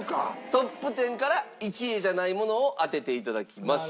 トップ１０から１位じゃないものを当てていただきます。